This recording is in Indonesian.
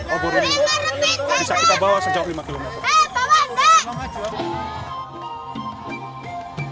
obor ini bisa kita bawa sejauh lima km